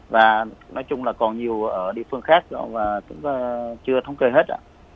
và nói chung là còn nhiều ở địa phương khác và cũng chưa thống kê hết